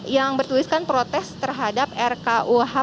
yang bertuliskan protes terhadap rkuhp